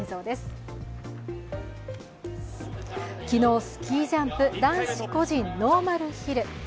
昨日、スキージャンプ男子個人ノーマルヒル。